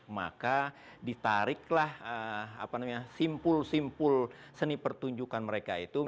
maka ditariklah simpul simpul seni pertunjukan mereka itu